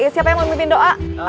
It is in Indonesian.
siapa yang mau mimpin doa